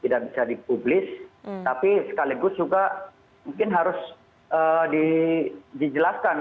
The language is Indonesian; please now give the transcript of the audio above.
tidak bisa dipublis tapi sekaligus juga mungkin harus dijelaskan